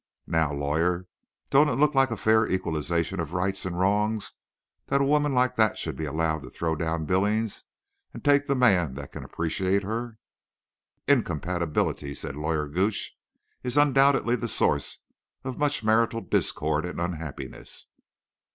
Now, lawyer, don't it look like a fair equalization of rights and wrongs that a woman like that should be allowed to throw down Billings and take the man that can appreciate her? "Incompatibility," said Lawyer Gooch, "is undoubtedly the source of much marital discord and unhappiness.